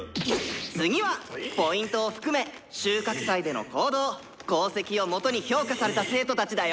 「次はＰを含め収穫祭での行動・功績をもとに評価された生徒たちだよ！」。